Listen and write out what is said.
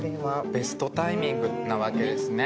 ベストタイミングなわけですね。